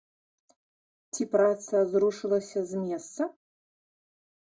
Ці праца зрушылася з месца?